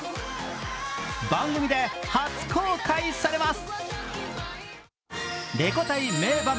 番組で初公開されます。